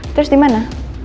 terus di mana